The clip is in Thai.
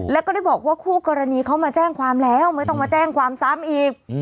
แล้วก็ได้บอกว่าคู่กรณีเขามาแจ้งความแล้วไม่ต้องมาแจ้งความซ้ำอีก